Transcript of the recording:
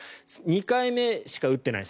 ２回目しか打っていない